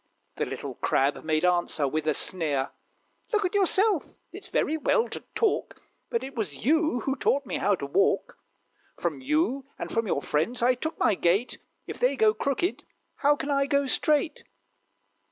The little Crab made answer, with a sneer, "Look at yourself! It's very well to talk, But it was you who taught me how to walk: From you, and from your friends, I took my gait; If they go crooked, how can I go straight?"